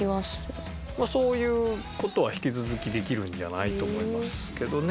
そういう事は引き続きできるんじゃない？と思いますけどね。